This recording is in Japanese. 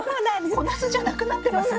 小ナスじゃなくなってますね。